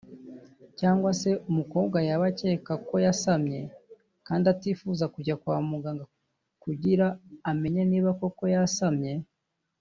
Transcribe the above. cyangwa se umukobwa yaba akeka ko yasamye kandi atifuza kujya kwa muganga kugira amenye niba koko yasamye